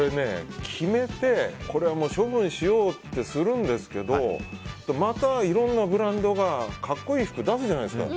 決めて処分しようってするんですけどまたいろんなブランドが格好いい服を出すじゃないですか。